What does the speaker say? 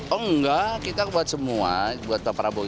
oh enggak kita buat semua buat pak prabowo